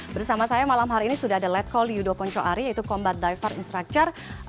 bersama saya malam hari ini sudah ada let call yudo poncho ari yaitu combat diver instructor